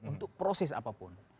untuk proses apapun